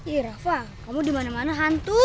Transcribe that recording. ih rafa kamu dimana mana hantu